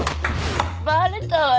バレたわよ